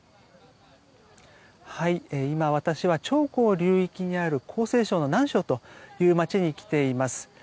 今、私は長江流域にある江西省の南昌という街に来ています。